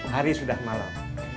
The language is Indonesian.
hari sudah malam